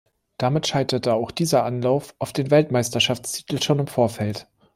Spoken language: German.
Damit scheiterte auch dieser Anlauf auf den Weltmeisterschaftstitel schon im Vorfeld.